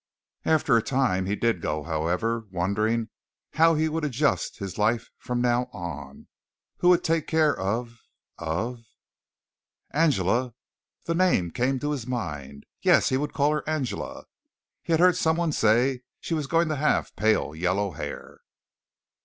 After a time he did go, however, wondering how he would adjust his life from now on. Who would take care of of "Angela" came the name to his mind. Yes, he would call her "Angela." He had heard someone say she was going to have pale yellow hair.